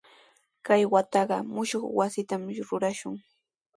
Kay wataqa mushuq wasitami rurashun.